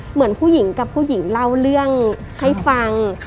เหมือนผู้หญิงกับผู้หญิงเล่าเรื่องให้ฟัง